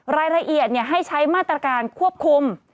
รายละเอียดให้ใช้มาตรการควบคุม